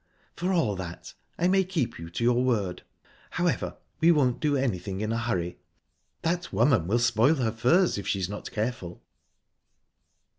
"For all that, I may keep you to your word. However, we won't do anything in a hurry...That woman will spoil her furs, if she's not careful."